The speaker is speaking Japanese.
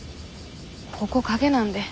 ここ陰なんで。